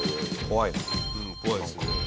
怖いですね。